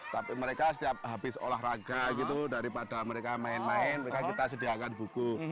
tapi mereka setiap habis olahraga gitu daripada mereka main main mereka kita sediakan buku